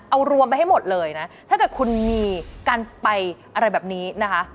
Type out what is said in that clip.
เอารวมไปให้หมดเลยนะถ้าเกิดคุณมีการไปอะไรแบบนี้นะคะ